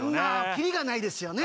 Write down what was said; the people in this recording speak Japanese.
キリがないですよね